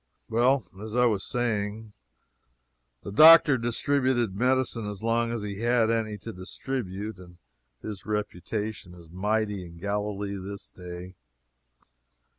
Well, as I was saying, the doctor distributed medicine as long as he had any to distribute, and his reputation is mighty in Galilee this day.